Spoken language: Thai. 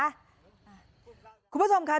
คุณผู้ชมค่ะ